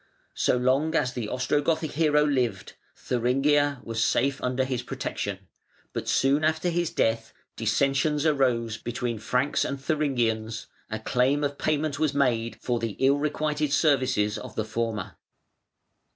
So long as the Ostrogothic hero lived, Thuringia was safe under his protection, but soon after his death dissensions arose between Franks and Thuringians; a claim of payment was made for the ill requited services of the former.